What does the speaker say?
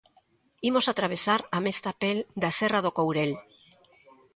Imos atravesar a mesta pel da serra do Courel.